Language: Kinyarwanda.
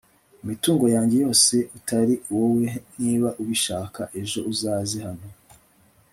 imitungo yanjye yose utari wowe niba ubishaka ejo uzaze hano